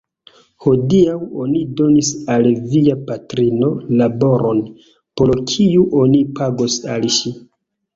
Hodiaŭ oni donis al via patrino laboron, por kiu oni pagos al ŝi.